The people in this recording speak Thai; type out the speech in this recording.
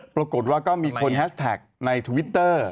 ปรากฏว่าก็มีคนแฮชแท็กในทวิตเตอร์